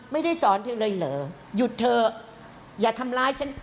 ไม่ได้สอนเธอเลยเหรอหยุดเถอะอย่าทำร้ายฉัน